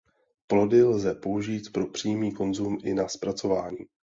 Plody lze použít pro přímý konzum i na zpracování.